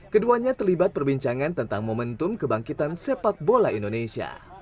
keduanya terlibat perbincangan tentang momentum kebangkitan sepak bola indonesia